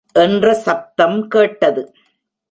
என்ற சப்தம் கேட்டது.